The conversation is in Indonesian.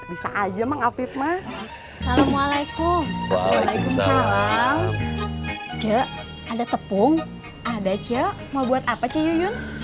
bisa aja mak afif mak assalamualaikum waalaikumsalam ada tepung ada ce mau buat apa cun